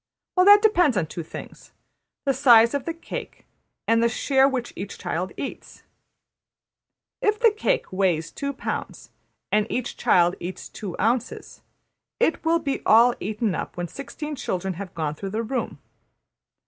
Well, that depends on two things: the size of the cake, and the share which each child eats. If the cake weighs two pounds, and each child eats two ounces, it will be all eaten up when sixteen children have gone through the room.